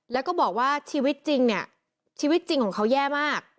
แล้วก็บอกว่าชีวิตจริงเนี่ยชีวิตจริงของเขาแย่มาก